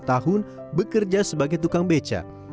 dua puluh lima tahun bekerja sebagai tukang beca